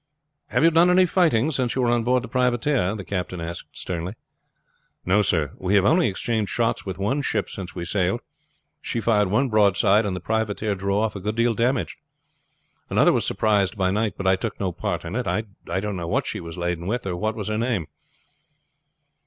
"Have you done any fighting since you were on board the privateer?" the captain asked sternly. "No, sir. We have only exchanged shots with one ship since we sailed. She fired one broadside and the privateer drew off a good deal damaged. Another was surprised by night, but I took no part in it. I don't know what she was laden with or what was her name."